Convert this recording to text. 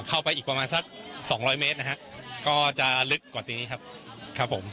เข้าไปอีกประมาณสักสองร้อยเมตรนะฮะก็จะลึกกว่าตัวนี้ครับครับผม